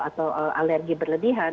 atau alergi berlebihan